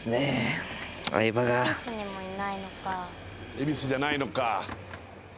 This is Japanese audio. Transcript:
恵比寿じゃないのか。